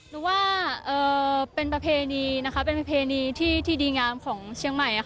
รู้ว่าเป็นประเพณีที่ดีงามของเชียงใหม่